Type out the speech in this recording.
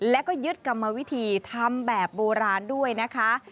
แล้วก็ยึดกรรมวิธีทำแบบโบราณด้วยนะคะ